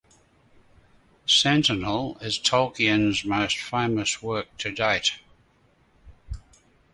"Sentinel" is Tolkien's most famous work to date.